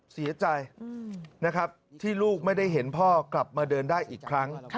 เสียใจนะครับที่ลูกไม่ได้เห็นพ่อกลับมาเดินได้อีกครั้ง